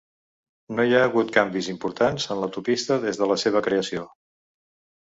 No hi ha hagut canvis importants en l'autopista des de la seva creació.